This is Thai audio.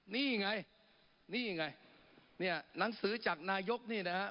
นี่ไงนี่ไงเนี่ยหนังสือจากนายกนี่นะฮะ